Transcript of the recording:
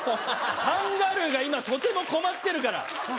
カンガルーが今とても困ってるからはっ！